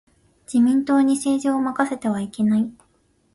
自民党に政治を任せてはいけない。